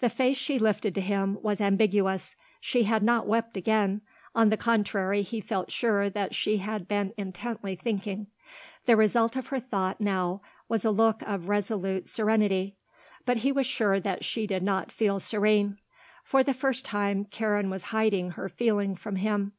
The face she lifted to him was ambiguous. She had not wept again; on the contrary, he felt sure that she had been intently thinking. The result of her thought, now, was a look of resolute serenity. But he was sure that she did not feel serene. For the first time, Karen was hiding her feeling from him.